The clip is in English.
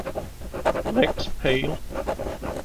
Legs pale.